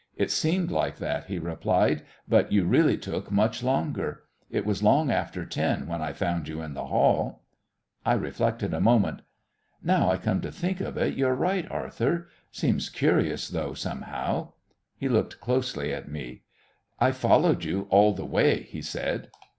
"It seemed like that," he replied, "but you really took much longer. It was long after ten when I found you in the hall." I reflected a moment. "Now I come to think of it, you're right, Arthur. Seems curious, though, somehow." He looked closely at me. "I followed you all the way," he said.